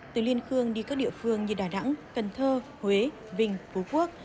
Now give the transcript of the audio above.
từ liên khương đi các địa phương như đà nẵng cần thơ huế vinh phú quốc